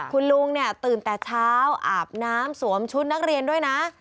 คุณลุงเนี่ยตื่นแต่เช้าอาบน้ำสวมชุดนักเรียนด้วยนะ